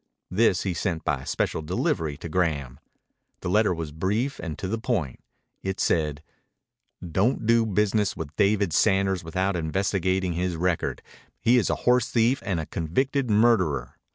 This he sent by special delivery to Graham. The letter was brief and to the point. It said: Don't do business with David Sanders without investigating his record. He is a horsethief and a convicted murderer.